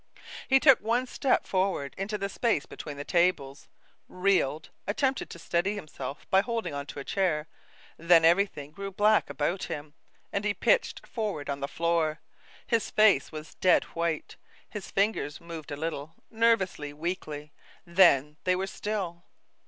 He took one step forward into the space between the tables, reeled, attempted to steady himself by holding on to a chair, then everything grew black about him, and he pitched forward on the floor. His face was dead white; his fingers moved a little, nervously, weakly, then they were still.